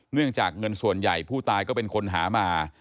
เนื่องจากเงินส่วนใหญ่ผู้ตายก็เป็นคนหามา